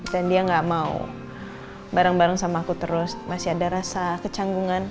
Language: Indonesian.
dan dia gak mau bareng bareng sama aku terus masih ada rasa kecanggungan